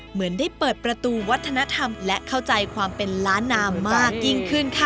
เหมือนได้เปิดประตูวัฒนธรรมและเข้าใจความเป็นล้านนามากยิ่งขึ้นค่ะ